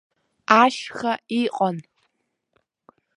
Ашьха иҟан.